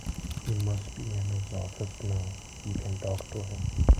He must be in his office now, you can talk to him.